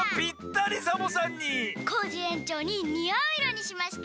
コージえんちょうににあういろにしました。